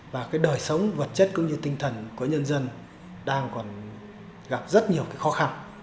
và cái đời sống vật chất cũng như tinh thần của nhân dân đang còn gặp rất nhiều cái khó khăn